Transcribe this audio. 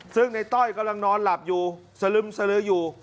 ซึ่งในต้อยกำลังนอนหลับอยู่สลึมสลืออยู่